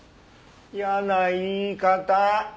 嫌な言い方！